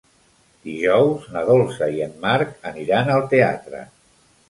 Dijous na Dolça i en Marc aniran al teatre.